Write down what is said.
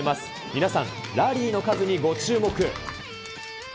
皆さん、ラリーの数にご注目。